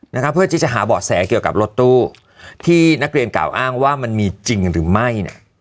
นะคะเพื่อที่จะหาเบาะแสเกี่ยวกับรถตู้ที่นักเรียนกล่าวอ้างว่ามันมีจริงหรือไม่เนี่ย